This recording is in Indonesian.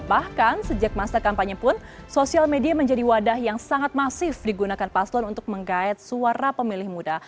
bahkan sejak masa kampanye pun sosial media menjadi wadah yang sangat masif digunakan paslon untuk menggait suara pemilih muda